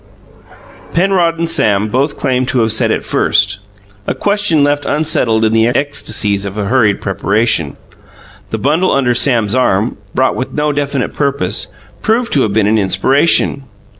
Penrod and Sam both claimed to have said it first, a question left unsettled in the ecstasies of hurried preparation. The bundle under Sam's arm, brought with no definite purpose, proved to have been an inspiration.